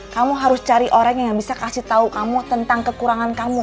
kamu harus cari orang yang bisa kasih tahu kamu tentang kekurangan kamu